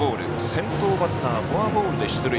先頭バッターフォアボールで出塁。